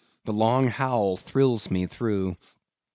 The long howl thrills me through!